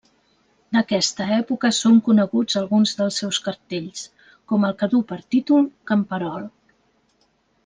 D'aquesta època són coneguts alguns dels seus cartells, com el que du per títol Camperol.